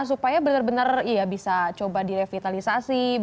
supaya benar benar bisa coba direvitalisasi